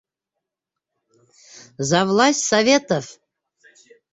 За власть Советов